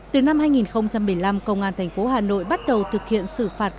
từ năm hai nghìn một mươi năm công an thành phố hà nội bắt đầu thực hiện xử phạt